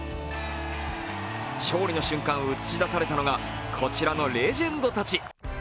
勝利の瞬間、映し出されたのがこちらのレジェンドたち。